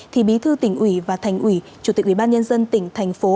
thì bí thư tỉnh ủy và thành ủy chủ tịch ủy ban nhân dân tỉnh thành phố